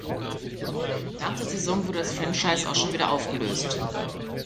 Nach der Saison wurde das Franchise auch schon wieder aufgelöst.